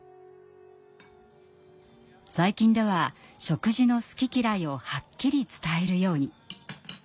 最近では食事の好き嫌いをはっきり伝えるように。